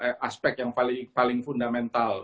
jadi itu adalah aspek yang paling fundamental